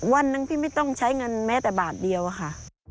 วันหนึ่งพี่ไม่ต้องใช้เงินแม้แต่บาทเดียวอะค่ะ